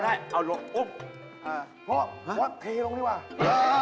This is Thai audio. ขออนุญาตเอาลงได้ไหมครับเป็นเรื่องล่ะ